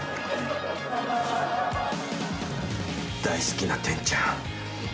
大好きな天ちゃん。